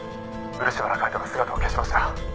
「漆原海斗が姿を消しました」